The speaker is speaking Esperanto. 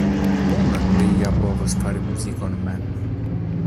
Nun li ja povos fari muzikon mem.